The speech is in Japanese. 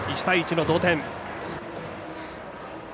１対１の同点。